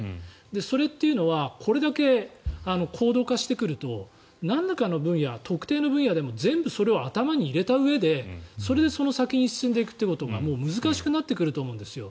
それっていうのはこれだけ高度化してくるとなんらかの分野、特定の分野でも全部それを頭に入れたうえでそれでその先に進んでいくことがもう難しくなってくると思うんですよ。